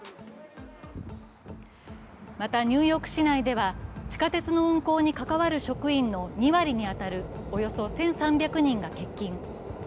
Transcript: また、ニューヨーク市内では地下鉄の運行に関わる職員の２割に当たるおよそ１３００人が欠勤。